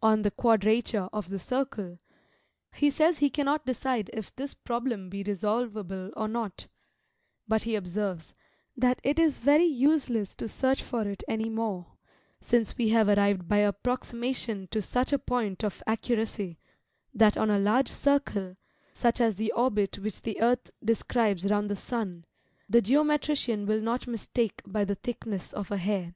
On the Quadrature of the Circle, he says he cannot decide if this problem be resolvable or not: but he observes, that it is very useless to search for it any more; since we have arrived by approximation to such a point of accuracy, that on a large circle, such as the orbit which the earth describes round the sun, the geometrician will not mistake by the thickness of a hair.